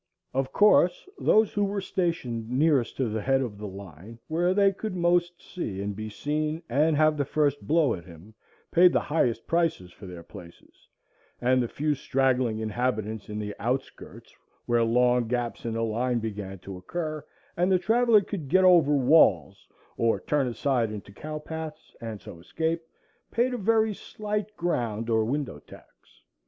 Of course, those who were stationed nearest to the head of the line, where they could most see and be seen, and have the first blow at him, paid the highest prices for their places; and the few straggling inhabitants in the outskirts, where long gaps in the line began to occur, and the traveller could get over walls or turn aside into cow paths, and so escape, paid a very slight ground or window tax.